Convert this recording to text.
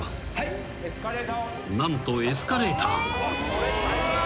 ［何とエスカレーター］